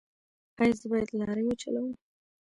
ایا زه باید لارۍ وچلوم؟